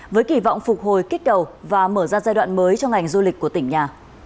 với kỳ vọng phục hồi kích cầu và mở ra giai đoạn mới cho ngành du lịch của tỉnh nhà